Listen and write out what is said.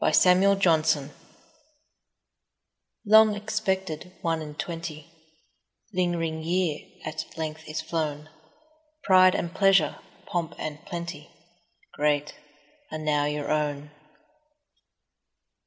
One and Twenty LONG EXPECTED one and twenty, Ling'ring year, at length is flown: Pride and pleasure, pomp and plenty, Great ......., are now your own.